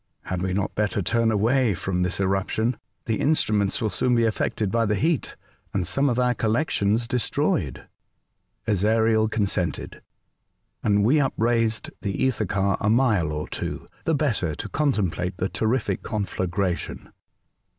Had we not better turn away from this eruption ? The instruments will soon be affected by the heat, and some of our collec tions destroyed.'' Ezariel consented, and we upraised the ether car a mile or two, the better to contem plate the terrific conflagration.